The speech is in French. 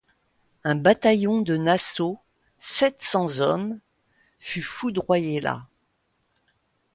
Un bataillon de Nassau, sept cents hommes, fut foudroyé là.